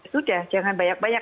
sudah jangan banyak banyak